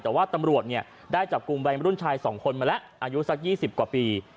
แต่ว่าตำรวจได้จับกลุ่มวัยรุ่นชาย๒คนมาแล้วอายุสัก๒๐กว่าปี